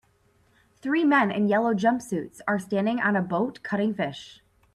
Three men in yellow jumpsuits are standing on a boat cutting fish.